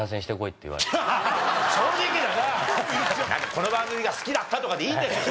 この番組が好きだったとかでいいんですよ